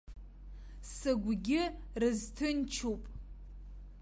Сыгәгьы рызҭынчуп.